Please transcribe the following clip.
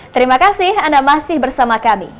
terima kasih anda masih bersama kami